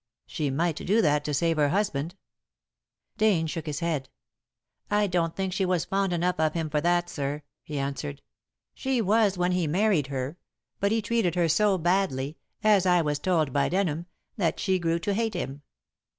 "She might do that to save her husband." Dane shook his head. "I don't think she was fond enough of him for that, sir," he answered. "She was when he married her; but he treated her so badly as I was told by Denham that she grew to hate him.